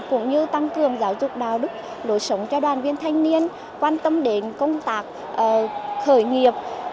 cũng như tăng cường giáo dục đào đức lối sống cho đoàn viên thanh niên quan tâm đến công tác khởi nghiệp